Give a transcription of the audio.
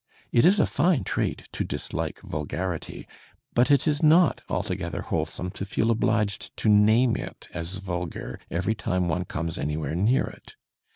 It is a fine trait to dislike vulgarity, but it is not altogether wholesome to feel obliged to name it as vulgar every time one comes anywhere near it.